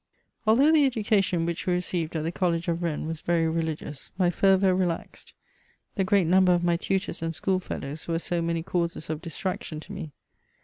Although the education which we received at the College of Rennes was very religious, my fervour rdaxed: the great number of my tutors and schoolfellows were so many causes of distraction to me.